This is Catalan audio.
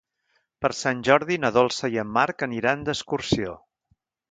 Per Sant Jordi na Dolça i en Marc aniran d'excursió.